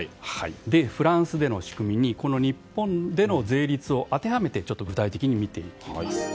フランスでの仕組みに日本での税率を当てはめて具体的に見ていきます。